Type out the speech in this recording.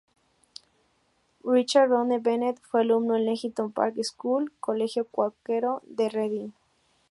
Richard Rodney Bennett fue alumno en Leighton Park School, colegio cuáquero de Reading.